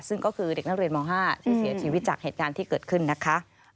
ซึ่งก็คือเด็กนักเรียนม๕ที่เสียชีวิตจากเหตุการณ์ที่เกิดขึ้นนะคะ